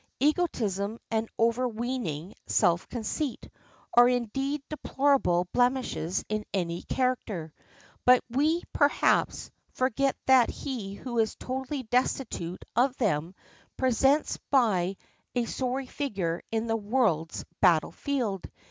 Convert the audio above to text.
Egotism and overweening self conceit are indeed deplorable blemishes in any character; but we, perhaps, forget that he who is totally destitute of them presents but a sorry figure in the world's battle field.